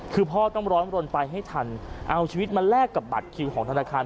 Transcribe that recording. คือพ่อต้องร้อนรนไปให้ทันเอาชีวิตมาแลกกับบัตรคิวของธนาคาร